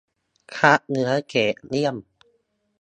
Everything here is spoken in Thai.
คัดเนื้อเกรดเยี่ยม